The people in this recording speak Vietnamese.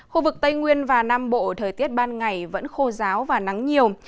khu vực tây nguyên và nam bộ thời tiết ban ngày vẫn khô giáo và nắng nhiều